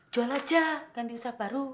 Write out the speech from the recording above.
jual aja ganti usaha baru